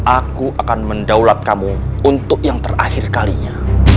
aku akan mendaulat kamu untuk yang terakhir kalinya